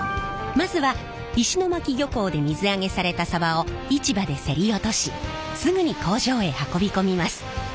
まずは石巻漁港で水揚げされたさばを市場で競り落としすぐに工場へ運び込みます。